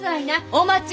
お待ち！